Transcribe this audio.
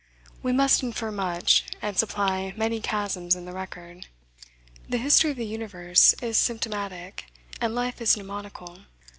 We must infer much, and supply many chasms in the record. The history of the universe is symptomatic, and life is mnemonical.